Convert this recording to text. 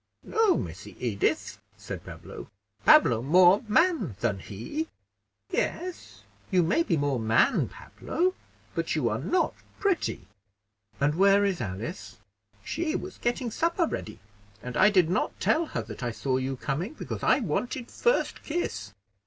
"No, Missy Edith," said Pablo; "Pablo more man than he." "Yes, you may be more man, Pablo; but you are not so pretty." "And where is Alice?" "She was getting supper ready, and I did not tell her that I saw you coming, because I wanted first kiss."